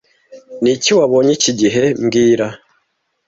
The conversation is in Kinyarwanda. Niki wabonye iki gihe mbwira